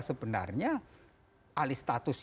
sebenarnya alis tatuannya